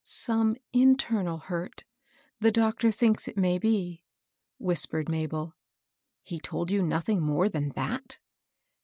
^^ Some internal hurt, the doctor thinks it may be," whispered Mabel. " He told you nothing more than that